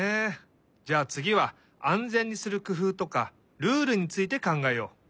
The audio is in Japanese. じゃあつぎはあんぜんにするくふうとかルールについてかんがえよう。